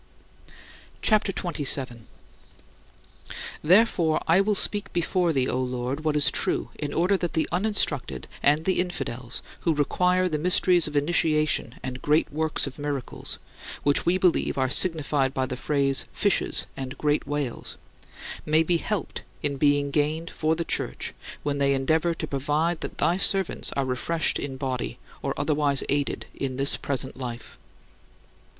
CHAPTER XXVII 42. Therefore I will speak before thee, O Lord, what is true, in order that the uninstructed and the infidels, who require the mysteries of initiation and great works of miracles which we believe are signified by the phrase, "Fishes and great whales" may be helped in being gained [for the Church] when they endeavor to provide that thy servants are refreshed in body, or otherwise aided in this present life.